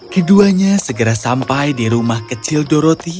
keduanya segera sampai di rumah kecil doroti